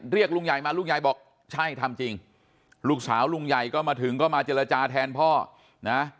เรียกลุงใหญ่มาลุงใหญ่บอกใช่ทำจริงลูกสาวลุงใหญ่ก็มาถึงก็มาเจรจาแทนพ่อนะ